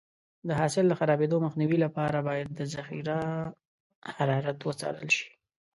د حاصل د خرابېدو مخنیوي لپاره باید د ذخیره حرارت وڅارل شي.